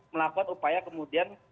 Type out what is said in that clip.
melakukan upaya kemudian